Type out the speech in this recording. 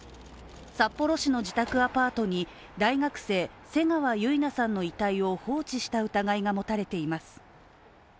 札幌市の自宅アパートに大学生、瀬川結菜さんの遺体を放置した疑いが持たれています。